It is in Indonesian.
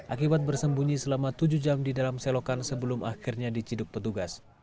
akibat bersembunyi selama tujuh jam di dalam selokan sebelum akhirnya diciduk petugas